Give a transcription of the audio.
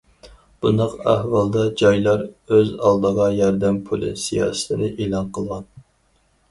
بۇنداق ئەھۋالدا، جايلار ئۆز ئالدىغا‹‹ ياردەم پۇلى›› سىياسىتىنى ئېلان قىلغان.